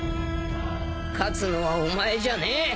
勝つのはお前じゃねえ。